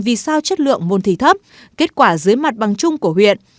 vì sao chất lượng môn thi thấp kết quả dưới mặt bằng chung của huyện